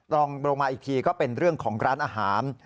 ลงมาอีกทีก็เป็นเรื่องของร้านอาหาร